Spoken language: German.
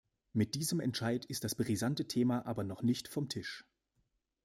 Mit diesem Entscheid ist das brisante Thema aber noch nicht vom Tisch.